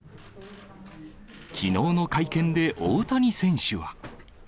きのうの会見で大谷選手は。